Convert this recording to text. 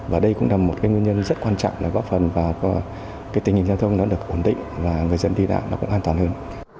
và đây cũng là một cái nguyên nhân rất quan trọng để góp phần vào cái tình hình giao thông nó được ổn định và người dân đi lại nó cũng an toàn hơn